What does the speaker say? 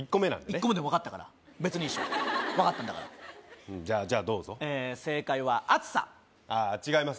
１個目でも分かったから別にいいでしょ分かったんだからじゃあじゃあどうぞええ正解はアツさああ違います